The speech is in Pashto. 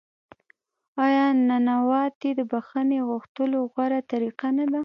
آیا نانواتې د بخښنې غوښتلو غوره طریقه نه ده؟